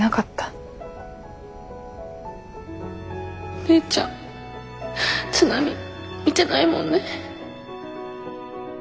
お姉ちゃん津波見てないもんね。